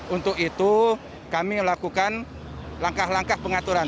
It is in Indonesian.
untuk itu kami melakukan langkah langkah pengaturan